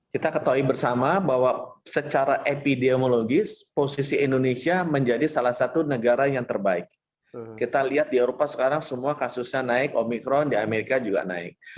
kita ketahui bersama bahwa secara epidemiologis posisi indonesia menjadi salah satu negara yang terbaik kita lihat di eropa sekarang semua kasusnya naik omikron di amerika juga naik